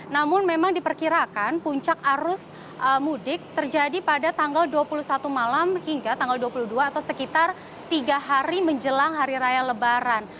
namun memang diperkirakan puncak arus mudik terjadi pada tanggal dua puluh satu malam hingga tanggal dua puluh dua atau sekitar tiga hari menjelang hari raya lebaran